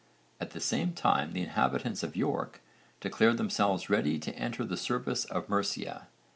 At the same time the inhabitants of York declared themselves ready to enter the service of Mercia.